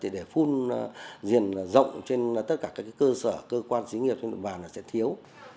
để phun diện rộng trên tất cả các cơ sở cơ quan xí nghiệp trên địa bàn sẽ thiếu